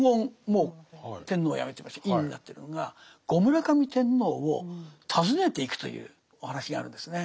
もう天皇をやめてまして院になってるのが後村上天皇を訪ねていくというお話があるんですね。